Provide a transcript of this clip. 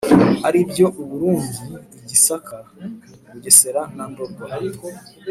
aribyo u Burundi, i Gisaka, u Bugesera na Ndorwa.